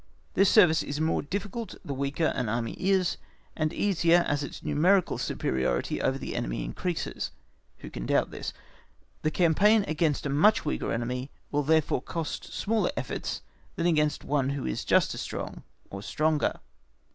This service is more difficult the weaker an Army is, and easier as its numerical superiority over that of the enemy increases. Who can doubt this? A campaign against a much weaker enemy will therefore cost smaller efforts than against one just as strong or stronger.